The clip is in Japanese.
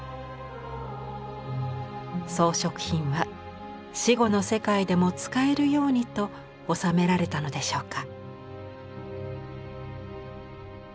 装飾品は死後の世界でも使えるようにと納められたのでしょうか。